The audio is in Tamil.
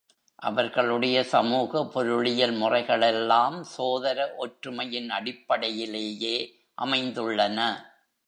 அவர்களுடைய சமூக, பொருளியல் முறைகளெல்லாம், சோதர ஒற்றுமையின் அடிப்படையிலேயே அமைந்துள்ளன.